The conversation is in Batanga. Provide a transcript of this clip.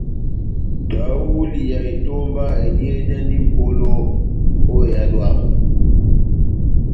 Tahuli ya etomba ediyedɛndi mʼpolo ó ehádo yamu.